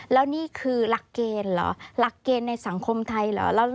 แล้วนี่คือหลักเกณฑ์เหรอหลักเกณฑ์ในสังคมไทยเหรอ